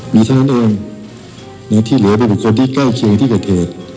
มีท่านเองที่เหลือเป็นคนที่ใกล้เคียงกับเทศ